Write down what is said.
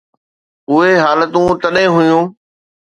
اهي حالتون تڏهن هيون.